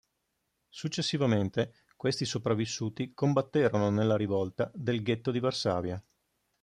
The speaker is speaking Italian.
Successivamente, questi sopravvissuti combatterono nella rivolta del ghetto di Varsavia.